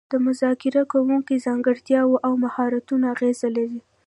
د مذاکره کوونکو ځانګړتیاوې او مهارتونه اغیز لري